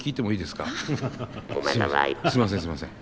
すいませんすいません。